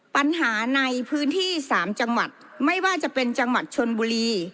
ปัญหาในพื้นที่๓จังหวัดไม่ว่าจะเป็นจังหวัดชนบุรี